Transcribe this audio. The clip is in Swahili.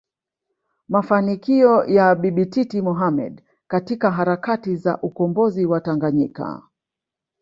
mafanikio ya Bibi Titi Mohamed katika harakati za ukombozi wa Tanganyika